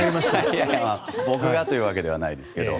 いやいや僕がというわけではないですが。